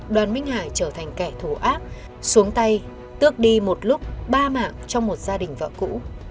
đoàn minh hải trở thành kẻ thù ác xuống tay tước đi một lúc ba mạng trong một gia đình vợ cũ